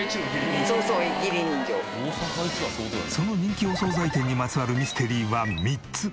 その人気お惣菜店にまつわるミステリーは３つ。